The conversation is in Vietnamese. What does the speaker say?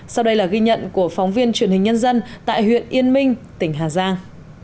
sau đây là ghi nhận của phóng viên truyền hình nhân dân tại huyện yên minh tỉnh hà giang